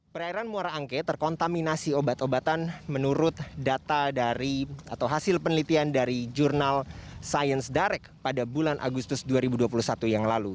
perairan muara angke terkontaminasi obat obatan menurut data dari atau hasil penelitian dari jurnal science direct pada bulan agustus dua ribu dua puluh satu yang lalu